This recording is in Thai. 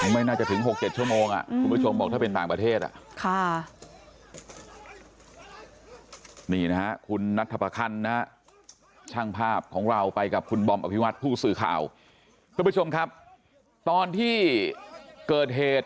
ไม่น่าจะถึง๖๗ชั่วโมงคุณผู้ชมบอกถ้าเป็นต่างประเทศ